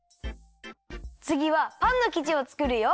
つぎはパンのきじをつくるよ。